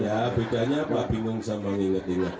ya bedanya pak bingung sama mengingat ingat